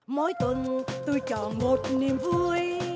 mỗi tuần tôi chọn một niềm vui